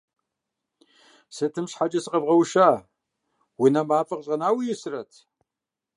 Сытым щхьэкӀэ сыкъэвгъэуша? Унэм мафӀэ къыщӀэнауэ исрэт?!